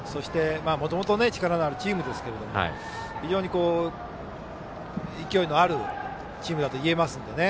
もともと力のあるチームですけども非常に勢いのあるチームだといえますので。